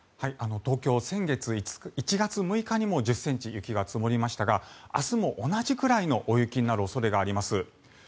東京、先月１月６日にも１０ｃｍ雪が積もりましたが明日も同じくらいの大雪になる恐れがあります。